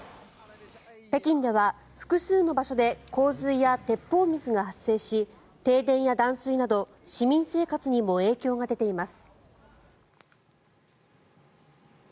北京では複数の場所で洪水や鉄砲水が発生し停電や断水など市民生活にも影響が出ています。